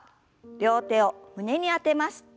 両手を胸に当てます。